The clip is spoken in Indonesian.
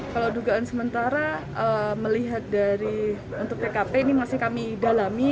kalau dugaan sementara melihat dari untuk tkp ini masih kami dalami